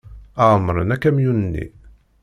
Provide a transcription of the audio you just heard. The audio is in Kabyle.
Ԑemmren akamyun-nni.